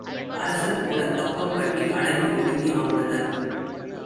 அரசர் கூடக் கப்பம் கட்டி அடங்கி ஒடுங்கி வாழ்ந்தனர்.